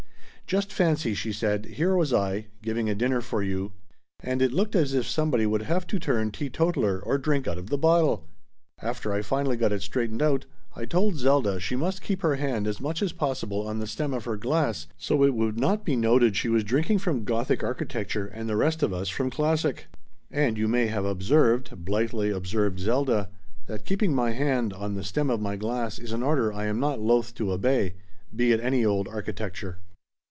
"Just fancy," she said, "here was I, giving a dinner for you and it looked as if somebody would have to turn teetotaler or drink out of the bottle! After I finally got it straightened out I told Zelda she must keep her hand as much as possible on the stem of her glass so it would not be noted she was drinking from gothic architecture and the rest of us from classic." "And you may have observed," blithely observed Zelda, "that keeping my hand on the stem of my glass is an order I am not loathe to obey be it any old architecture."